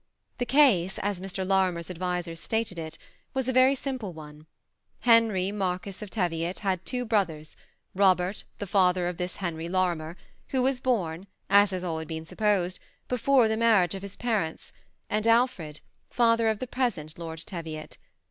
The case, as Mr. Lorimer's advisers stated it, was a very simple one. THE SEMI ATTACHED COUPLE. .333 Henry, Mm quis of Teviot, had two brothers, Robert, the father of this Henry Lorimer, who was born, as had always been supposed, before the marriage of his parents, and Alfred, father of the present Lord Teviot.